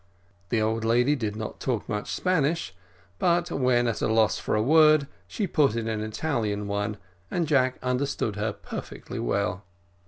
The old lady did not talk much Spanish, but when at a loss for a word she put in an Italian one, and Jack understood her perfectly well.